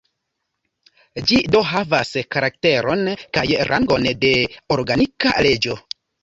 Ĝi do havas karakteron kaj rangon de "organika leĝo".